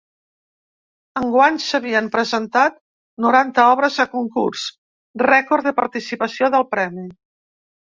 Enguany s’havien presentat noranta obres a concurs, rècord de participació del premi.